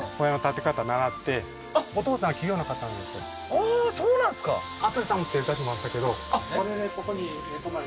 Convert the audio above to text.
ああーそうなんですかええー？